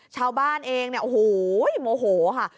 ชาวบ้านเองเนี่ยโอ้โหโมโหค่ะ